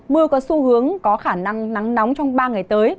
mưa có xu hướng có khả năng nắng nóng trong ba ngày tới